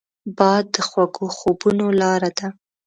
باد د خوږو خوبونو لاره ده